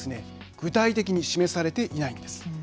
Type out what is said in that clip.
具体的に示されていないんです。